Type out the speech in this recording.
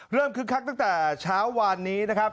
คึกคักตั้งแต่เช้าวานนี้นะครับ